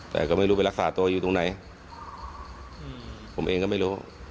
แต่ก็ไม่รู้ไปรักษาตัวอยู่ตรงไหนผมเองก็ไม่รู้